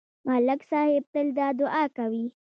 ملک صاحب تل دا دعا کوي